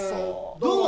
どうも。